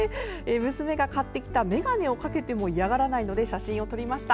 娘が買ってきた眼鏡をかけても嫌がらないので写真を撮りました。